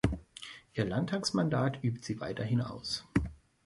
Ihr Landtagsmandat übt sie weiterhin aus.